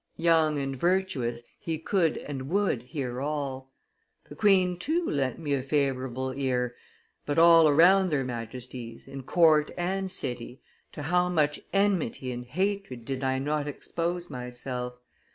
Young and virtuous, he could and would hear all. The queen, too, lent me a favorable ear, but, all around their Majesties, in court and city, to how much enmity and hatred did I not expose myself?